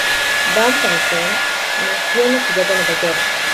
Van Patten nació en la ciudad de Nueva York.